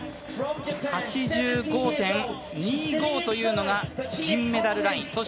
８５．２５というのが銀メダルライン。